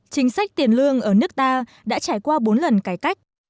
chính sách tiền lương ở nước ta đã trải qua bốn lần cải cách